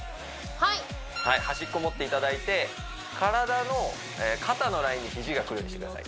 はい端っこ持っていただいて体の肩のラインに肘がくるようにしてください